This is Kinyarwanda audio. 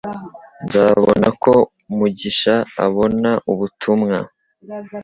Nzabona ko mugisha abona ubutumwa